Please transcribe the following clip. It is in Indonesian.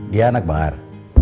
dia anak bahar